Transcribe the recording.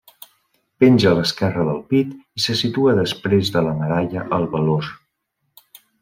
Penja a l'esquerra del pit i se situa després de la Medalla al Valor.